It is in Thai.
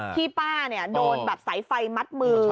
พี่ป้าเนี่ยโดนแบบสายไฟมัดมือ